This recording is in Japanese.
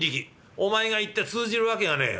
お前が行って通じる訳がねえよ」。